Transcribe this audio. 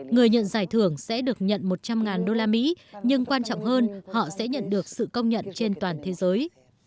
người nhận giải thưởng sẽ được nhận một trăm linh usd nhưng quan trọng hơn họ sẽ nhận được sự công nhận trên toàn thế giới